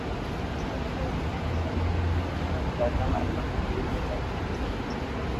স্টারিজ নিজেই বলেছেন, ম্যাচের আগে দেখা ম্যারাডোনার ভিডিওটাই তাঁকে সাহায্য করেছে।